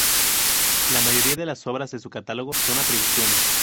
La mayoría de las obras de su catálogo son atribuciones.